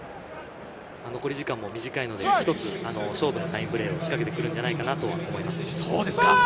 残り時間も短いので、一つ勝負のサインプレーを仕掛けてくるんじゃないかなとは思います。